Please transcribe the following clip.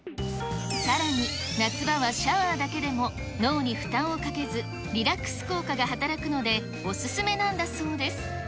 さらに、夏場はシャワーだけでも、脳に負担をかけず、リラックス効果が働くので、お勧めなんだそうです。